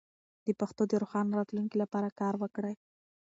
د پښتو د روښانه راتلونکي لپاره کار وکړئ.